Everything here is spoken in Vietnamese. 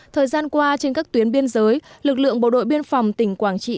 thời gian qua trên các tuyến biên giới lực lượng bộ đội biên phòng tỉnh quảng trị